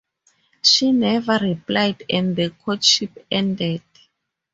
She never replied and the courtship ended.